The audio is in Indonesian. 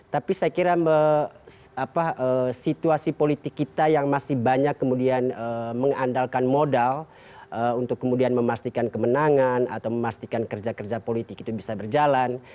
tapi saya kira situasi politik kita yang masih banyak kemudian mengandalkan modal untuk kemudian memastikan kemenangan atau memastikan kerja kerja politik itu bisa berjalan